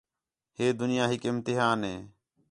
ہے دُنیا ہِک امتحان ہے